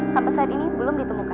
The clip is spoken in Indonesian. sampai saat ini belum ditemukan